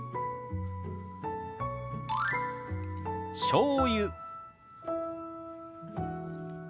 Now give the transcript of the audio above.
「しょうゆ」。